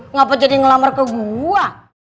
ngapain jadi ngelamar ke gua